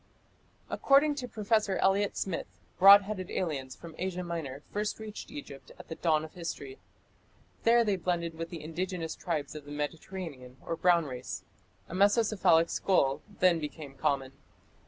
According to Professor Elliot Smith, broad headed aliens from Asia Minor first reached Egypt at the dawn of history. There they blended with the indigenous tribes of the Mediterranean or Brown Race. A mesocephalic skull then became common.